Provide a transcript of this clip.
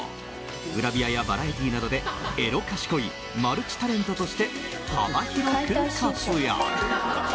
グラビアやバラエティーなどでエロ賢いマルチタレントとして幅広く活躍。